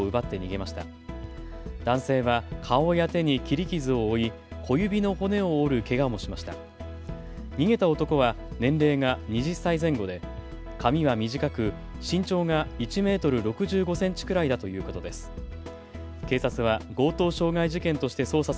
逃げた男は年齢が２０歳前後で髪は短く、身長が１メートル６５センチくらいだということです。